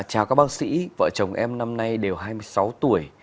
chào các bác sĩ vợ chồng em năm nay đều hai mươi sáu tuổi